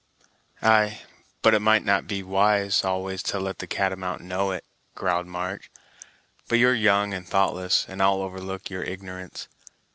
"Ay, but it might not be wise, always, to let the catamount know it," growled March. "But you're young and thoughtless, and I'll overlook your ignorance.